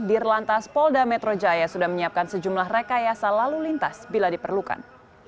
dirlantas polda metro jaya sudah menyiapkan sejumlah rekayasa lalu lintas bila diperlukan